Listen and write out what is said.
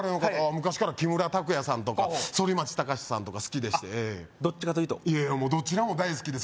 昔から木村拓哉さんとか反町隆史さんとか好きでしてどっちかというとどちらも大好きです